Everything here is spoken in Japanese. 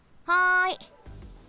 はい。